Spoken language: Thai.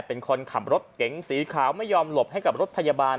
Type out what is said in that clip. เป็นคนขับรถเก๋งสีขาวไม่ยอมหลบให้กับรถพยาบาล